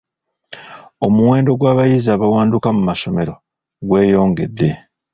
Omuwendo gw'abayizi abawanduka mu ssomero gweyongedde.